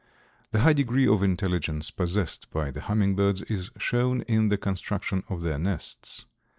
The high degree of intelligence possessed by the hummingbirds is shown in the construction of their nests.